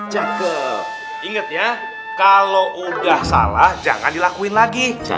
cengkel inget ya kalau udah salah jangan dilakuin lagi